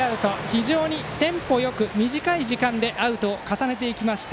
非常にテンポよく短い時間でアウトを重ねていきました。